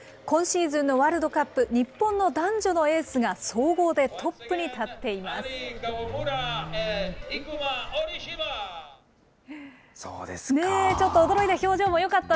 今シーズンのワールドカップ、日本の男女のエースが総合でトップそうですか。